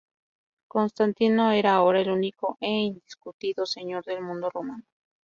Constantino era ahora el único e indiscutido señor del mundo romano.